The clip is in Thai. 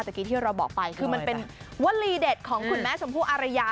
เมื่อกี้ที่เราบอกไปคือมันเป็นวลีเด็ดของคุณแม่ชมพู่อารยา